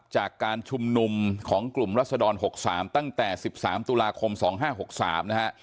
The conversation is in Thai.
จากการชุมนุมของกลุ่มรัศดร๖๓ตั้งแต่๑๓ตุลาคม๒๕๖๓นะฮะ